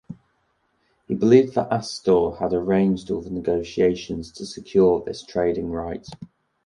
He believed that Astor had arranged all the negotiations to secure this trading right.